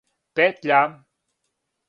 петља